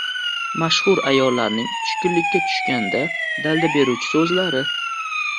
Mashhur ayollarning tushkunlikka tushganda dalda beruvchi so‘zlari